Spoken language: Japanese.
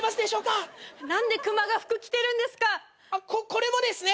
これもですね